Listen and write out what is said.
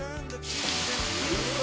うわ！